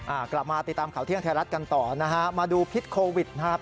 อ่ากลับมาติดตามข่าวเที่ยงไทยรัฐกันต่อนะฮะมาดูพิษโควิดนะครับ